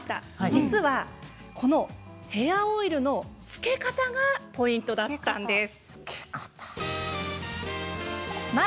実はこのヘアオイルのつけ方がポイントだったんです。